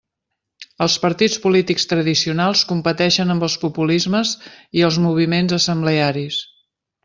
Els partits polítics tradicionals competeixen amb els populismes i els moviments assemblearis.